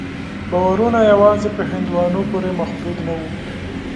باورونه یوازې په هندوانو پورې محدود نه وو.